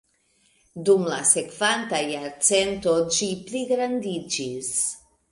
Dum la sekvanta jarcento ĝi pligrandiĝis.